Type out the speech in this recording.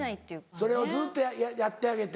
それをずっとやってあげて。